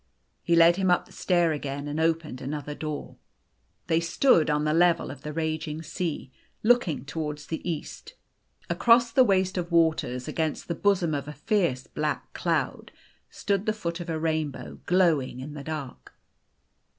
He led him up the stair again, and opened another door. They stood on the level of the raging sea, look ing towards the east. Across the waste of waters, against the bosom of a fierce black cloud, stood the foot of a rainbow, glowing in the dark.